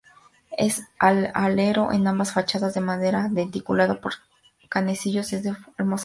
El alero, en ambas fachadas, de madera, denticulado por canecillos, es de hermosa factura.